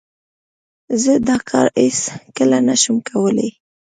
زه دا کار هیڅ کله نه شم کولای.